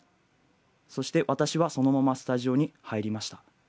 そして私はそのままスタジオに入りました。